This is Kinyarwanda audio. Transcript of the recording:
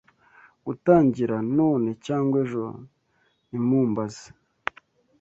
gutangira none cyangwa ejo ntimumbaze,